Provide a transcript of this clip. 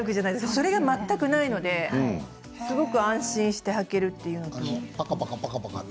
それが全くないのですごく安心して履くことができる。